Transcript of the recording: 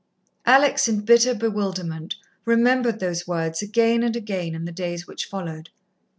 Alex, in bitter bewilderment, remembered those words again and again in the days which followed.